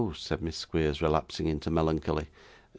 said Miss Squeers, relapsing into melancholy.